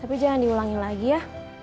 tapi jangan diulangi lagi ya